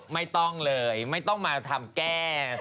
ไม่ต้องเลยไม่ต้องมาทำแก้